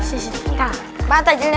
ini pak takjilnya